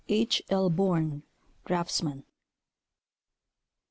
H. L. Born Draftsman.